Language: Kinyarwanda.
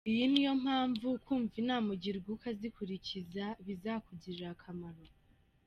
Iyi ni yo mpamvu kumva inama ugirwa ukazikurikiza bizakugirira akamaro.